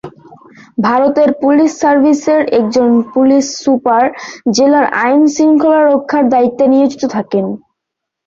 ভারতের পুলিশ সার্ভিসের একজন পুলিশ সুপার জেলার আইন শৃঙ্খলা রক্ষার দায়িত্বে নিয়োজিত থাকেন।